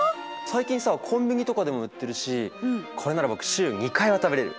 最近さコンビニとかでも売ってるしこれなら僕週２回は食べれる。